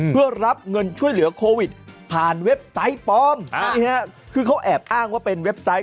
เพื่อรับเงินช่วยเหลือโควิดผ่านเว็บไซต์ปลอมนี่ฮะคือเขาแอบอ้างว่าเป็นเว็บไซต์